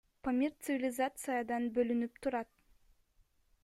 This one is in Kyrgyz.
Памир цивилизациядан бөлүнүп турат.